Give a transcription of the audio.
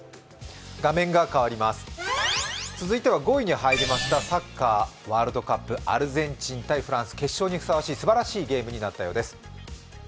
続いては５位に入りました、サッカー・ワールドカップアルゼンチン×フランス、決勝にふさわしいすばらしいゲームになったようです。